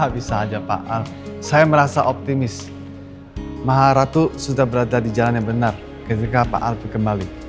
bisa aja pak al saya merasa optimis maha ratu sudah berada di jalan yang benar ketika pak alpi kembali